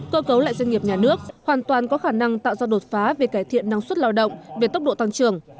cơ cấu lại doanh nghiệp nhà nước hoàn toàn có khả năng tạo ra đột phá về cải thiện năng suất lao động về tốc độ tăng trưởng